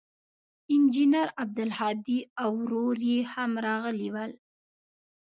انجنیر عبدالهادي او ورور یې هم راغلي ول.